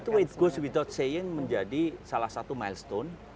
itu tidak bisa dibilang menjadi salah satu milestone